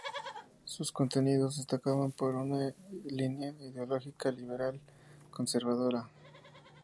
Sus contenidos destacaban por una línea ideológica liberal-conservadora.